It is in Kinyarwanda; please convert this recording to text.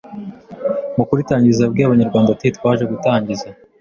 Mu kuritangiza yabwiye abanyarwanda ati: „Twaje gutangiza